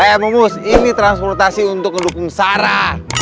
eh mumus ini transportasi untuk mendukung saran